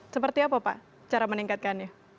seperti apa pak cara meningkatkannya